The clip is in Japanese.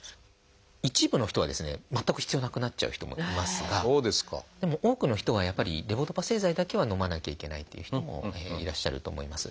一部の人はですね全く必要なくなっちゃう人もいますがでも多くの人はやっぱりレボドパ製剤だけはのまなきゃいけないっていう人もいらっしゃると思います。